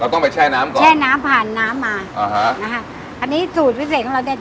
ต้องไปแช่น้ำก่อนแช่น้ำผ่านน้ำมาอ่าฮะนะฮะอันนี้สูตรพิเศษของเราเนี้ย